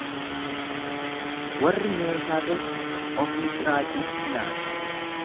Warri meeshaa tolchu ofii qiraaciitti nyaata.